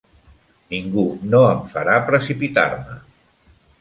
Ningú no em farà precipitar-me!